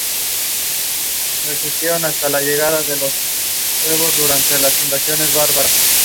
En el sur fueron particularmente activos.